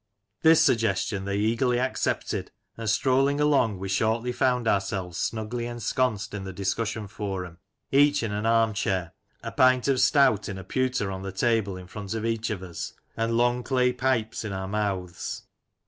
This suggestion they eagerly acceptedi and Some Lancashire Characters and Incidents. 151 strolling along, we shortly found ourselves snugly ensconced in the discussion forum, each in an arm chair, a pint of stout in a pewter on the table in front of each of us, and long clay pipes in our mouths.